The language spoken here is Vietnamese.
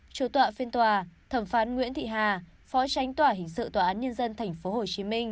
chủ tọa phiên tòa thẩm phán nguyễn thị hà phó tránh tòa hình sự tòa án nhân dân tp hcm